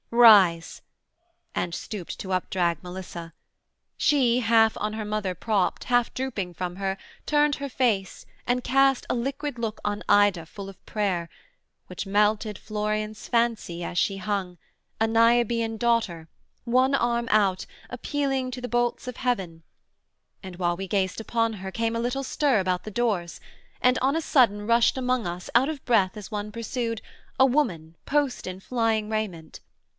Rise!' and stooped to updrag Melissa: she, half on her mother propt, Half drooping from her, turned her face, and cast A liquid look on Ida, full of prayer, Which melted Florian's fancy as she hung, A Niobëan daughter, one arm out, Appealing to the bolts of Heaven; and while We gazed upon her came a little stir About the doors, and on a sudden rushed Among us, out of breath as one pursued, A woman post in flying raiment.